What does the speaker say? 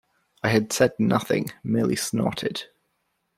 I had said nothing — merely snorted.